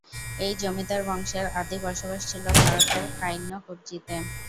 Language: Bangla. এই জমিদার বংশের আদি বসবাস ছিল ভারতের কাইন্নকব্জিতে।